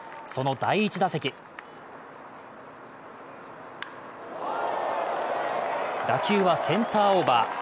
その第１打席打球はセンターオーバー。